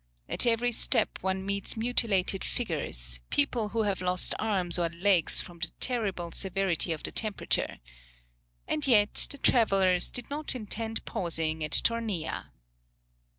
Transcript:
At every step one meets mutilated figures, people who have lost arms or legs from the terrible severity of the temperature. And yet, the travellers did not intend pausing at Tornea."